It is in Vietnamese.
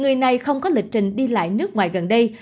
người này không có lịch trình đi lại nước ngoài gần đây